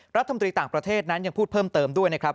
รัฐมนตรีต่างประเทศนั้นยังพูดเพิ่มเติมด้วยนะครับ